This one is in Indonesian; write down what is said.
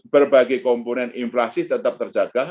berbagai komponen inflasi tetap terjaga